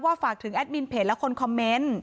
ฝากถึงแอดมินเพจและคนคอมเมนต์